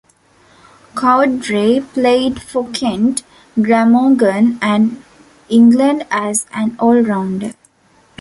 Cowdrey played for Kent, Glamorgan and England as an all-rounder.